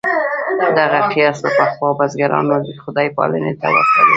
دغه قیاس له پخوا بزګرانو خدای پالنې ته ورته دی.